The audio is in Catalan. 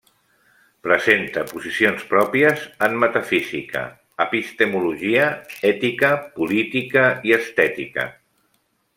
Presenta posicions pròpies en metafísica, epistemologia, ètica, política i estètica.